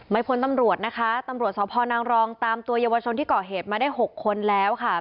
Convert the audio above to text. พ้นตำรวจนะคะตำรวจสพนางรองตามตัวเยาวชนที่ก่อเหตุมาได้๖คนแล้วค่ะ